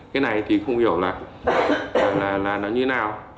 cái này thì không hiểu là nó như nào